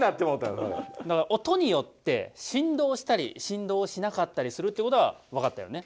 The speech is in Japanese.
音によって振動したり振動しなかったりするってことはわかったよね？